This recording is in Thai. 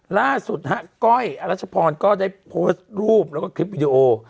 ล่าสุดฮะก้อยอรัชพรก็ได้โพสต์รูปแล้วก็คลิปวิดีโอ